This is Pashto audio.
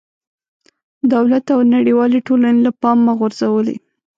دولت او نړېوالې ټولنې له پامه غورځولې.